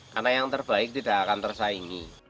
karena yang terbaik tidak akan tersaingi